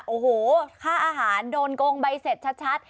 โอ้โหค่าอาหารโดนโกงใบเสร็จชัด